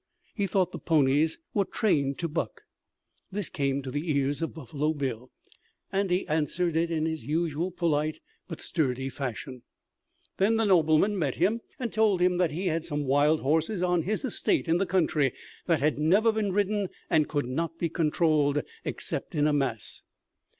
He thought the ponies were trained to buck. This came to the ears of Buffalo Bill, and he answered it in his usual polite but sturdy fashion. Then the nobleman met him and told him that he had some wild horses on his estate in the country that had never been ridden and could not be controlled except in a mass.